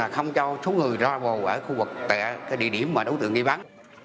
không cho số người ra bồ ở khu vực tại địa điểm đống tượng nghi bắn